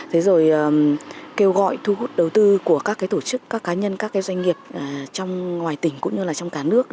thế rồi kêu gọi thu hút đầu tư của các tổ chức các cá nhân các cái doanh nghiệp trong ngoài tỉnh cũng như là trong cả nước